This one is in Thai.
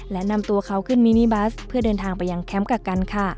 และนำตัวเขาขึ้นมินิบัสเพื่อเดินทางไปยังแคมป์กักกันค่ะ